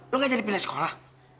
lo nggak jadi pilihan sekolah